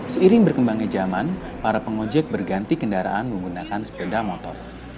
seiring berkembangnya zaman para pengojek berganti kendaraan menggunakan sepeda motor